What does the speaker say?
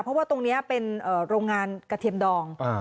เพราะว่าตรงนี้เป็นโรงงานกระเทียมดอง